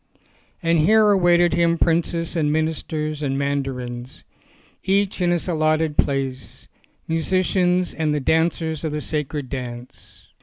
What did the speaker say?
And here awaited him princes and ministers and mandarins, each in his allotted place, musicians and the dancers of the sacred dance.